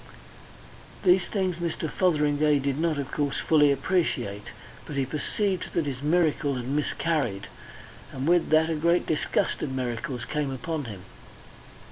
These things Mr. Fotheringay did not, of course, fully appreciate. But he perceived that his miracle had miscarried, and with that a great disgust of miracles came upon him.